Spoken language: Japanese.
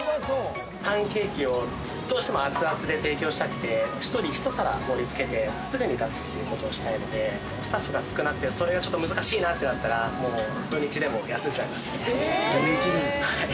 パンケーキをどうしても熱々で提供したくて、１人１皿盛りつけて、すぐに出せるようにしたいので、スタッフが少なくて、難しいなってなったら、土日でも休んじゃいますね。